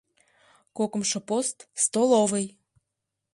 — Кокымшо пост: столовый!